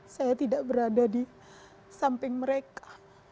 saya tidak berada di samping mereka